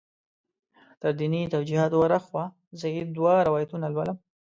تر دیني توجیهاتو ور هاخوا زه یې دوه روایتونه لولم.